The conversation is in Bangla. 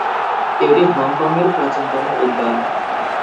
এটি হংকংয়ের প্রাচীনতম উদ্যান।